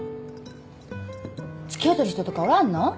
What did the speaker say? つきあっとる人とかおらんの？